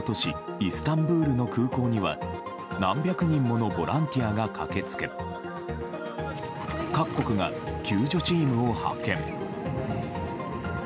イスタンブールの空港には何百人ものボランティアが駆け付け各国が救助チームを派遣。